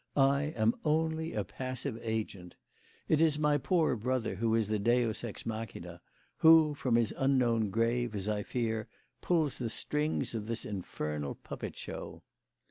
I am only a passive agent. It is my poor brother who is the Deus ex machina, who, from his unknown grave, as I fear, pulls the strings of this infernal puppet show."